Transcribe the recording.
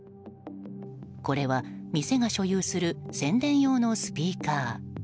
これは店が所有する宣伝用のスピーカー。